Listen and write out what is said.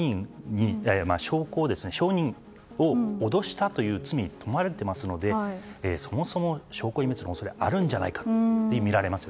証人を脅したという罪に問われていますのでそもそも、証拠隠滅の恐れがあるんじゃないかとみられます。